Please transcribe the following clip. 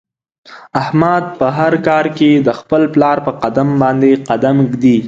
احمد په هر کار کې د خپل پلار په قدم باندې قدم ږدي.